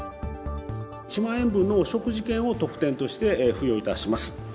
１万円分のお食事券を特典として付与いたします。